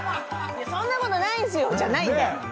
「そんなことない！」じゃないんだ。